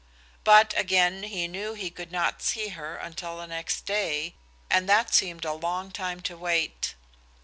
But, again, he knew he could not see her until the next day, and that seemed a long time to wait.